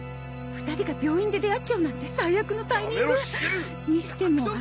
２人が病院で出会っちゃうなんて最悪のタイミング。